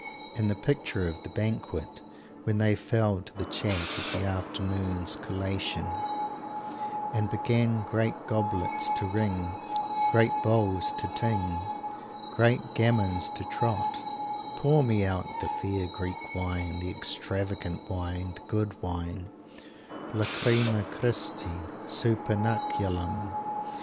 And the picture of the banquet "when they fell to the chat of the afternoon's collation and began great goblets to ring, great bowls to ting, great gammons to trot; pour me out the fair Greek wine, the extravagant wine, the good wine, Lacrima Christi, supernaculum!"